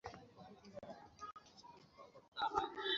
এতো তাড়াতাড়ি মরতে পারবি না।